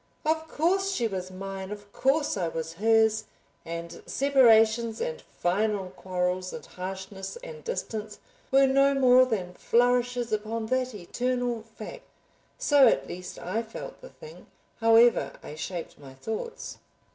Of course she was mine, of course I was hers, and separations and final quarrels and harshness and distance were no more than flourishes upon that eternal fact. So at least I felt the thing, however I shaped my thoughts.